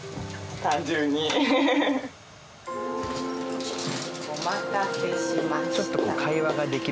単純に。お待たせしました。